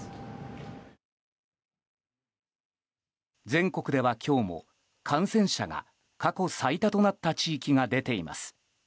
全国では今日も感染者が過去最多となった地域が出ています。